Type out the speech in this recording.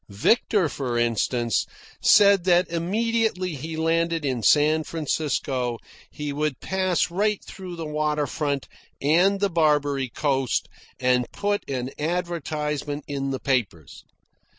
Victor, for instance, said that immediately he landed in San Francisco he would pass right through the water front and the Barbary Coast, and put an advertisement in the papers.